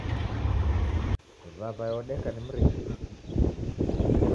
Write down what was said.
W'aw'aye odeka ni mrighitiaa